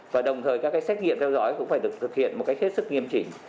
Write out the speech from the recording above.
và đồng thời các xét nghiệm theo dõi cũng phải được thực hiện một cách hết sức nghiêm chỉnh